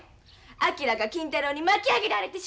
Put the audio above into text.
昭が金太郎に巻き上げられてしもたんや。